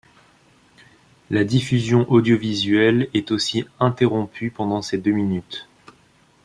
La diffusion audiovisuelle est aussi interrompue pendant ces deux minutes.